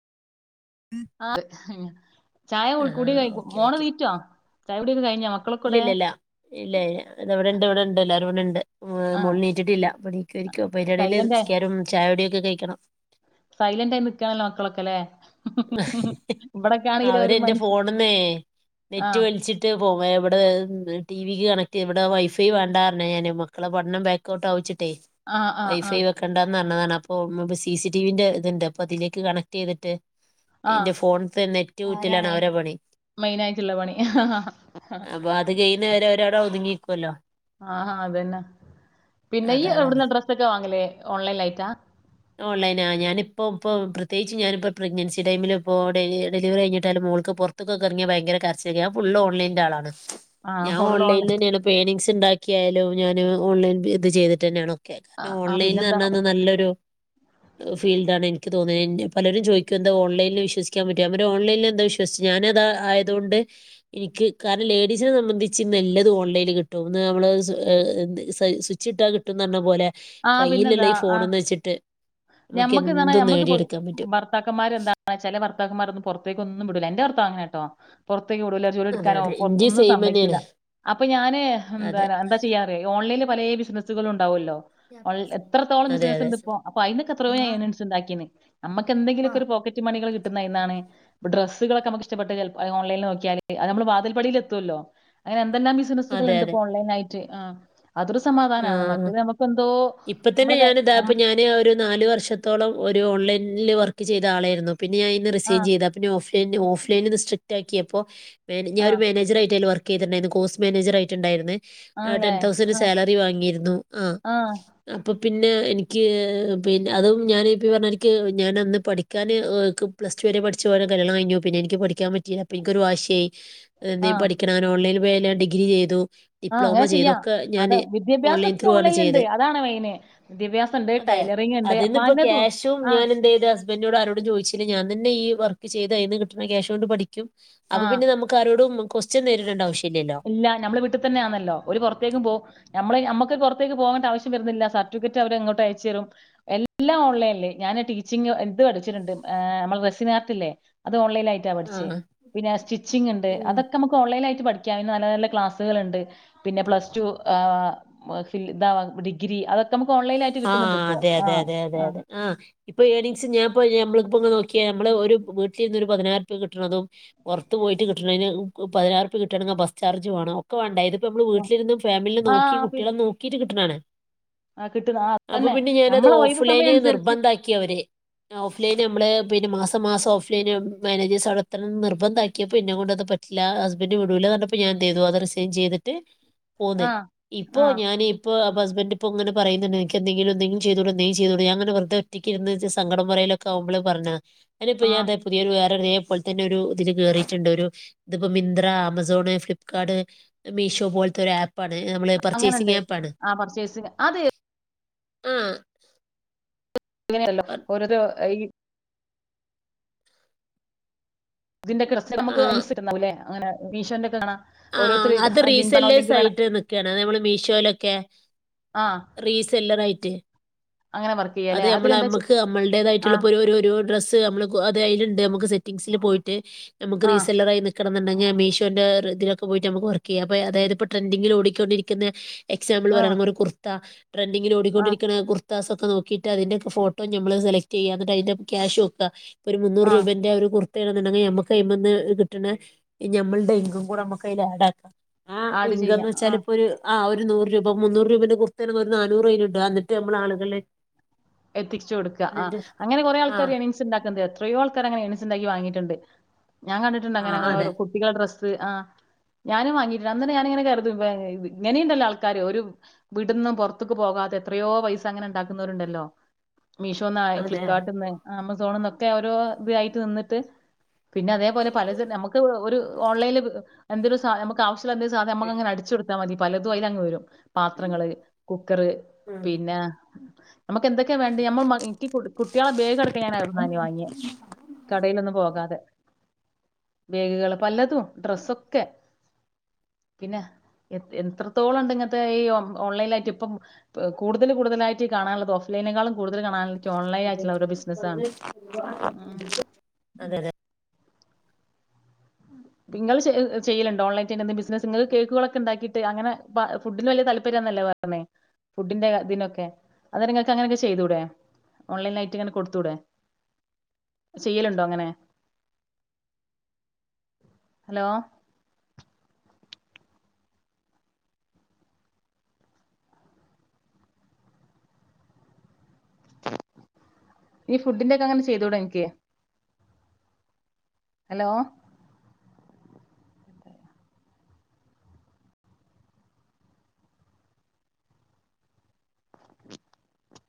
ആഹ് ചായ ആഹാ കുടി ഓക്കെ മോളെണീറ്റോ ചായ കുടിയൊക്കെ കഴിഞ്ഞ മക്ക് ഇല്ലില്ലല്ല ഇല്ല ഇതെവിടെണ്ട് ഇവിടെണ്ട് ല്ലാരുവിടെണ്ട്. ആ മോള്ണീറ്റിട്ടില്ല ഇപ്പണീക്കുവായിരിക്കും അപ്പയിന്റെടേൽ സൈലന്റ് ആയി നിസ്കാരവും ചായടിയൊക്കെ കയ്‌ക്കണം. സൈലന്റ ആയിൽിക്കുകണല്ലോക്കളൊക്കെ അല്ലെ. അവര് ഒരു എന്റെ മനുഷ്യ ഫോണന്നേ ആ നെറ്റ് വലിച്ചിട്ട്. [unintelligible] ഇവിടെ ടി വിക്ക് കണക്ട് ഇവിടെ വൈഫൈ വേണ്ട ഞാൻ പർന് ഞാൻ മക്കളെ പഠനം ബാക്ക് ഇക്കോട്ട അവിച്ചിട്ടേ ആ ആ ആ വൈഫൈ വെക്കേണ്ട പറഞ്ഞതാണ് അപ്പൊ സിസി ടിവിന്റെ ഇതുണ്ട് അപ്പൊ അതിലേക്ക് കണക്ട് ചെയ്തിട്ട് ആ എന്റെ ഫോണത്തെ നെറ്റ് ഊറ്റലാണ് അവരെടെ പണി മെയിന ആയിട്ടുള്ള പണി അപ്പൊ അത് കഴിുന്നവരെവരവിടെ ഒതുങ്ങിിക്കുമല്ലോ ആഹാ അതന്നെ പിന്നെ ഈ അതാ അതാണ് ഇവിടന്ന് ഡ്രസ്സ ഒക്കെ വാങ്ങലേ ഓൺലൈൻ ആയിട്ടാ ഓൺലൈനാഹ് ഞാനിപ്പ ഇപ്പ പ്രത്യേകിച്ച് ഞാനിപ്പോ പ്രഗ്നൻസിടൈമിലിപ്പോൾ ഡെലിവറിഴിഞ്ഞിട്ടാലും മോൾക്ക് പുറത്തൊക്കെറിയാ ഭയങ്കര കരച്ചിലാ ഫുള് ഓൺലൈൻന്റെ ആളാണ് ആ ഞാൻ ഫുള്ള് ഓൺലൈനിൽ ഓൺലൈൻ തന്നെയാണ് പെയിനിങ്സ് ഉണ്ടാക്കിയായാലും ഞാാന് ഓൺലൈൻ ഇത് ചെയ്തിട്ട് തന്നാണോ ആ ആ, ഓൺലയ്ന്ർ പിന്നെന്താ ഞ്ഞാനല്ലൊരു ഫീൽഡ ആാണ് എനിക്ക് തോന്നിയത് പലരും ചോദിക്ക എഹ് ഓൺലൈനിൽ വിശ്വസാൻ പറ്റും അവര് ഓൺലൈനിൽ എന്ത വിശ്വസു ഞാനത് ആയതൊണ്ട് എനിക്ക് കാരണം ലേഡീസിനെ സംബന്ധിച്ച് നല്ലതും ഓൺലൈനിൽ കിട്ടുംന്ന് നമ്മള് സുച്ചിട്ടാ കിട്ടുന്നർ ഞ്ഞപോലെ ആ കയ്യിലുള്ള പിന്നെന്താ ഈ ആ ഫോണന്ന് വെച്ചിട്ട് നമുക്ക് എന്തും നേടിയെടുക്കാൻ പറ്റും ഭർത്താക്കന്മാർ എന്താണ് ചില വർത്താക്കന്മാർൊും പുറത്തേ ഒന്നുംടല്ല എന്റെ വർത്ത അങ്ങനെ കേട്ടോ പുറത്തേക്ക് ഇടൂല ജോലി അതെ അതെ ഇഞ്ചി എടുക്കാനോന്നും സെയിം തന്നെയാണ് സമ്മക്കില്ല അപ്പൊ ഞാന് എന്ത അതെ എന്താ ചെയ്യാ ഓൺലൈനിൽ പലേ ബിസിനസ്സുകള ഉണ്ടാവുമല്ലോ ഓ എത്രത്തോളം അതെ ബിസിനസ്സ് ഉണ്ട് അതെ ഇപ്പോ അപ്പൊ അതിനൊക്കെത്രയോ ഏനിങ്സ് ഉണ്ടാക്കിന്ന് നമുക്ക് എന്തങ്കിലൊക്കെ ഒരു പോക്കറ്റ് മണികൾ കിട്ടുന്നത് അയ്ന്നാ ണ്ട ഡ്രസ്സുകളൊക്കെമുക്ക് ഇഷ്ടപ്പെട്ട ഓൺലൈനിൽ നോക്ക്യാല് അത് നമ്മള് വാതില്പടിയിൽ എത്തുമല്ലോ അങ്ങനെ എന്തെല്ലാം ബിസിനസുകൾ അതെ ഉണ്ട് അതെ ഇപ്പോ ഓൺലൈൻായിട്ട് ആഹ് അതൊരു സമാധാനാണ് ആഹ് മറ്റത് നമക്ക് എന്തോ ഇപ്പൊ തന്നെ നമ്മള് ക ഞാൻ ഇതാ ഉം ഇപ്പൊ ഞാന് ഒരു നാല് വർഷത്തോളം ഒരു ഓൺലൈനിൽ വർക്ക് ചെയ്ത ആളായിരുന്നു പിന്നെ ഞാൻ അയിന്ന് ആ ആ റിസീവ് ചെയ്ത പിന്നെ ഓഫ് ലൈന് ഓഫ് ലൈന് ഇത് സെറ്റാക്കിയപ്പൊ ഞാൻ ആ ഒരു മാനേജറായിട്ട് അയില് വർ ണ്ടായിരുന്നു കോഴ്സ് മാനേജറായിട്ട് ഇണ്ടായിര്ന്ന് ആണല്ലേ? ടെൻ തൗസന്റ് ആഹ് സാലറി വാങ്ങിയിരുന്നു ആഹ് അപ്പൊ പിന്നെ എനിക്ക് പിന്ന അതും ഞാനിപ്പ ഈ പറ്ഞ്ഞമാരിക്ക് ഞാൻ അന്ന് പഠിക്ക പിക്കാൻ പ്ല്ട്ടു വരെ പഠിച്ചു പോല കല്യാണം കഴിഞ്ഞു പിന്നെനിക്ക് പഠിക്കാൻ പറ്റീല്ല അപ്പൊ എനിക്കൊരു വാശിയായി എന്തേ ആഹ് പഠിക്കണം ഓൺലൈൻല് ഇപൊ ഡിഗ്രി ചെയ്തു ആഹ് ഡിപ്ലോമ അങ്ങനെ ചെയ്തു. ചിയ്യാ ഒക്കെ അത് ഞാന് വിദ്യ വിദ്യാഭ്യാസം ഓൺലൈൻ ഒക്ക ത്രൂ ആണ് ഓൺലൈൻല് ഇണ്ട് ചെയ്തേ. അതാണ് മെയിന് വിദ്യാഭ്യാസം ഇണ്ട് ടൈലറിംഗ് ഇണ്ട് അപ്പൊ പലതു ട്ടും ഞാനെന്തെയ്ത് ൻഡിനോടും ആരോടും ചോദിച്ചില്ല ഞാൻ തന്നെ ഈ വർക്ക് ചെയ്ത് അയിന്ന് കിട്ട്ണ ക്യാഷോണ്ട് പഠിക്കും അപ്പ ആഹ് പിന്നെ നമുക്ക് ക്കാരോടും ക്യസ്റ്റ്യൻ നേരിടണ്ട ആവശ്യല്ലലൊ ഇല്ല നമ്മള് വീട്ടി തന്നൊയാന്നല്ലൊ ഒരു പൊറ്ത്തേക്കും പോ നമ്മള് നമ്മുക്ക് പൊറ്ത്തേക് പോകണ്ട ആവശ്യം വരുന്നില്ല സർട്ടിഫിക്കറ്റ് അവര് ഇങ്ങോട്ട് അയച്ചേരും എല്ലാം ഓൺലൈൻല് ഞാൻ ടീച്ചിങ് ഇത് പഠിച്ചിണ് ണ്ട് ഏഹ് നമ്മള റെസിനാർട്ടില്ലെ അത് ഓൺലൈൻ ആയിട്ട പഠിച്ചെ ആഹ് പിന്നെ സ്റ്റിച്ചിങ്ങ്ണ്ട് ഉം. അതൊക്ക നമുക്ക് ഓൺലൈനായിട്ട് പഠി നല്ല നല്ല ക്ലാസ്സ്കള്ണ്ട് പിന്ന പ്ലസ്ട്ടു ഏഹ് ഫി ഡിഗ്രി അതൊക്ക നമുക്ക് ഓൺലൈൻലായിട്ട് ആഹ് അതെ അതെ അതെ അതെ അതെ ആഹ് ഇപ്പ ഏർണിങ്സ് ഞാൻപ്പൊ നമ്മളിപ്പൊന്ന് നോക്ക്യേ നമ്മള് ഒരു വീട്ടിലിരിന്ന് ഒരു പതിനാർപ്യ കിട്ട്ണതും പൊറ്ത്തു പോയിട്ട് കിട്ട്ണേന് പതിനാറ്പ്യ കിട്ടണെങ്കി ബസ് ചാർജ് വേണം ഒക്ക വാണ്ടെ ഇതിപ്പൊ നമ്മള് വീട്ടിലിരുന്നും ഫാമിൽനെ നോക്കി ആഹ് പി കുട്ടീളെ നോക്കീട്ട് കിട്ട്ണേണ് ആഹ് കിട്ടുന്ന ആഹ് അപ്പൊ അതന്നെ പിന്ന ഞാനത് നമ്മളെ ഒഴിവ് ഓഫ് സമയം ലൈന് അനുസരിച്ച് നിർബന്ധാക്കി അവര് ഓഫ്ലൈൻ നമ്മള് പിന്നെ മാസം മാസം ഓഫ്ലൈൻ മാനേജേഴ്സ് അവ്ടെ എത്തണം നിർബന്ധാക്ക്യപ്പൊ ഇന്നേ കൊണ്ടത് പ ലാ ഹസ്ബന്റ് വിടൂല പറ്ഞ്ഞപ്പൊ ഞാനെന്തീതു അത് റിസൈൻ ചെയ്തിട്ട് പോന്ന് ആഹ് ഇപ്പോ ആഹ് ഞാന് ഇപ്പൊ ഹസ്ബൻ്റ് ഇപ്പൊ ഇങ്ങന പറയുന്ന് ഇണ്ട് നിനക്ക് എന്തെങ്കിലും എന്തെങ്കിലു ചെയ്തൂടെ എന്തെങ്കിലു ചെയ്തൂടെ ഞാന് ഇങ്ങനെ വെറ്തെ ഒറ്റക്ക് ഇരുന്ന് ഇജ് സങ്കടം പറയലൊക്ക ആവുമ്പള് പർഞ്ഞത അത് ഇപ്പൊ ഞാൻ ആഹ് പുതിയൊരു വേറെ ഇതേ പോൽതന്നെ ഒരു ഇതില് കേറിട്ടിണ്ട് ഒരു ഇത് ഇപ്പൊ മിന്ത്ര, ആമസോണ് ഫ്ലിപ്കാർട്, മീഷോ പോല്ത്തൊര് ആ പ്പാണ് ഞമ്മള് പർച്ചേസിംങ് അങ്ങനെണ്ട് ആപ്പാണ് ആഹ് പർച്ചേസിങ് അത് ആഹ് ഇങ്ങനെയാണല്ലൊ ഓരത് അയ് ഇതിന്റെ [unintelligible] നമ്മക്ക് ആ [unintelligible] അങ്ങനെ മീഷോന്റെ കാണാ ആഹ് അത് റീസെല്ലേസായിട്ട് നിക്കാണ് ഞമ്മള് മീഷോലൊക്കെ ആ റീസെല്ലറായിട്ട് അങ്ങന വർക്കി അത് ഞമ്മള നമ്മക്ക് നമ്മള്ടേതായിട്ട്ള്ളൊര് ഇപ്പൊ ഒരു ഒരു ഡ്രസ്സ് നമ്മള് അത് അയ്ലിണ്ട് ഞമ്മക്ക് സെറ്റിംഗ്സില് പോയിട്ട് ഞമ്മക്ക് ആ റീസെല്ലറായി നിക്ക്ണംന്ന് ഇണ്ടെങ്കി മീഷോന്റെ ഇ പോയിട്ട് ഞമ്മക്ക് വർക്ക് ചെയ്യാം അപ്പാ അതായത് ഇപ്പൊ ട്രൻഡിങ്ങില് ഓടിക്കൊണ്ടിരിക്ക്ന്നെ എക്സാമ്പിള് ആ പറ്യാണ് ഒര് കുർ ത്താ ട്രെൻിങ്ങില് ആ ഓടിക്കൊണ്ടിരിക്ക്ണാ കുർ സൊക്കെ നോക്കീട്ട് അതിന്റെക്ക ഫോട്ടോ ഞമ്മള് സെലക്ടീയ്യ ഇന്ന്ട്ട് അയിന്റെ ക്യാഷോക്ക ഒര് മുന്നൂറ് ആ രൂബന്റെ ഒര് കുർത്ത്യാണെന്ന് ഇണ്ടെങ്കി ഞമ്മക്ക് അയ്മന്ന് കിട്ട്ണ ഞമ്മള്ടെ ഇൻകം കൂട നമ്മ [unintelligible] ആഡ് ചെയ്യാ ന്ന് ആ വെച്ചാല് ഇപ്പ ഒര് ആ ഒര് നൂറ് രൂപാ മുന്നൂറ് രൂപന്റെ ബുക്കന്നെ ഒര് നാന്നൂറ് രുവെല് ഇണ്ട് ആ ഇന്നട്ട് നമ്മള് ആള്കൾലെ എത്തിച്ച് കൊട്ക്ക ആഹ് അങ്ങനെ കൊറെ ആൾക്കാര് ആഹ് എണിങ്സ് ഇണ്ടാ [unintelligible] എത്രയോ ആൾക്കാര് അങ്ങനെ എണിങ്സ് ഇണ്ടാക്കി വാങ്ങിട്ട്ണ്ട് ഞാൻ കണ്ടിട്ട്ണ്ട് അങ്ങനെ ആഹ് അങ്ങന അതെ ഓരോ കുട്ടികളെ ഡ്രസ്സ് ആഹ് ഞാനും വാങ്ങിട്ട്ണ്ട് അന്നന്നേ ഞാന് ഇങ്ങനെ കര്തും വെ ഇങ്ങനി ഇണ്ടല്ലോ ആൾക്കാര് ഒരു വീട്ട്ന്ന് പൊർത്ത്ക്ക് പോകാതെ എത്രയോ പൈസ അങ്ങനെ ഇണ്ടാക്ക്ന്നൊര്ണ്ടല്ലോ മീഷോന്നാ അതെ ഫ്ലിപ്പ്കാർട്ട്ന്ന് ആമസോണ്ന്ന് ഒക്കെ ഓരോ ഇതായിട്ട് നിന്ന്ട്ട് പിന്നെ അതേപോലെ പലത്ണ്ട് ഞമ്മക്ക് ഒര് ഓൺലൈല് എന്തൊര് സാ ഞമ്മക്ക് ആവശ്യ ള്ളാ എന്തേ സാധന ഞമ്മക്ക് അങ്ങനെ അടിച്ച് കൊട്ത്താ മതി പലതും അയ്ലങ്ങ് വരും പാത്രങ്ങള് കുക്കറ് ഉം പിന്നാ ക്ക് എന്തേക്കെ വേണ്ട്യാ ഞമ്മള് മ ഇൻക്കി കുട്ടിയളെ ബേഗ് അടക്കം ഞാന് അവ്‌ട്ന്നാനി വാങ്ങിയേ കടെലോന്നും പോകാതെ ബേഗ്കള് പലതും ഡ്രെസ്സൊക്കെ പിന്നെ എ എത്രത്തോള ഇണ്ട് ഇങ്ങൻത്തെ ഈ ഒ ഓൺലൈലായിട്ട് ഇപ്പം പ്പാ കൂടുതല് കൂടുതലായിട്ട് കാണാള്ളത് ഓഫ് ലൈനെക്കാളും കൂടുതല് കാണാൻക്കി ഓൺലൈൻ ആയിട്ട്ള്ള ഓരോ ബിസ്നസ് ആണ് ഉം. ഉം അതെ അതെ ഇങ്ങള് ചെ ചെയ്യല് ഇണ്ടോ ഓൺലൈറ്റായിട്ട് എന്തേ ബിസ്നസ്സ് ഇങ്ങള് കേക്ക്കളൊക്കെ ഇണ്ടാക്കിട്ട് അങ്ങെനെ പ ഫുഡില് വല്ല്യ താല്പര്യാന്നല്ലേ പ ന്നെ ഫുഡിന്റെ ഇതിനൊക്കെ അന്നേരം ഇങ്ങക്ക് അങ്ങനൊക്കെ ചെയ്തുടെ ഓൺലൈനായിട്ട് ഇങ്ങനെ കൊട്ത്തൂടെ ചെയ്യല് ഇണ്ടോ അങ്ങനെ ഹലോ ഈ ഫുഡിന്റെ ഒക്ക അങ്ങനെ ചെയ്‌തൂടെ ഇങ്ങക്ക് ഹലോ